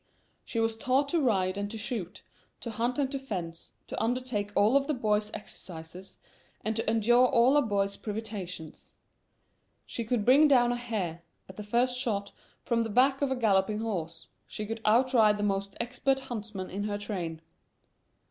She was taught to ride and to shoot, to hunt and to fence, to undertake all of a boy's exercises, and to endure all a boy's privations. She could bring down a hare, at the first shot, from the back of a galloping horse; she could outride the most expert huntsman in her train.